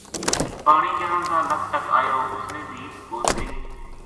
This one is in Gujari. پانی جنا کا لَک تک اَیو اُس نے بھی تپوس کئی